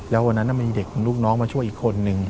แล้ววันนั้นมีเด็กลูกน้องมาช่วยอีกคนนึง